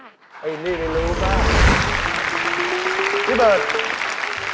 อันนี้เรารู้มาก